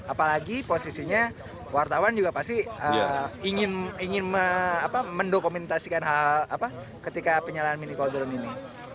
apalagi posisinya wartawan juga pasti ingin mendokumentasikan hal ketika penyalahan mini call drone ini